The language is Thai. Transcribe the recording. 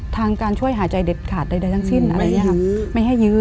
ทางการช่วยหายใจเด็ดขาดใดทั้งสิ้นไม่ให้ยื้อ